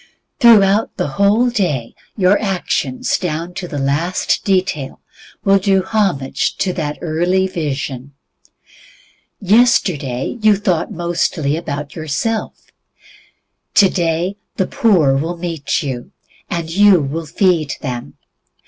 Throughout the whole day your actions, down to the last detail, will do homage to that early vision. Yesterday you thought mostly about yourself. Today the poor will meet you, and you will feed them.